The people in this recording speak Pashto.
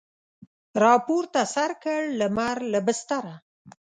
راپورته سر کړ لمر له بستره